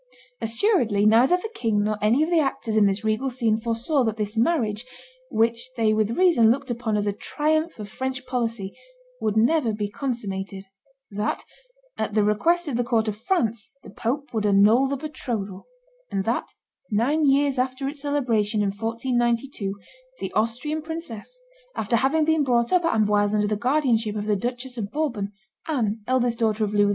Assuredly neither the king nor any of the actors in this regal scene foresaw that this marriage, which they with reason looked upon as a triumph of French policy, would never be consummated; that, at the request of the court of France, the pope would annul the betrothal; and that, nine years after its celebration, in 1492, the Austrian princess, after having been brought up at Amboise under the guardianship of the Duchess of Bourbon, Anne, eldest daughter of Louis XI.